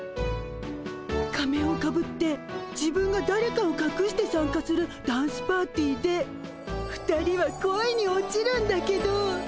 仮面をかぶって自分がだれかをかくして参加するダンスパーティーで２人は恋に落ちるんだけど。